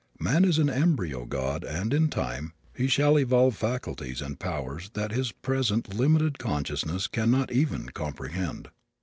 Man is an embryo god and, in time, he shall evolve faculties and powers that his present limited consciousness can not even comprehend.